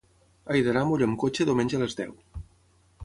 He d'anar a Molló amb cotxe diumenge a les deu.